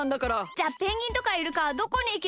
じゃあペンギンとかイルカはどこにいけばみれますか？